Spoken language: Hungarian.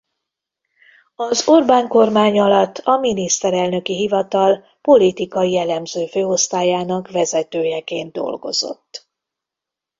Az Orbán-kormány alatt a Miniszterelnöki Hivatal politikai elemző főosztályának vezetőjeként dolgozott.